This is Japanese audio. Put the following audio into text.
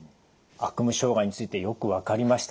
悪夢障害についてよく分かりました。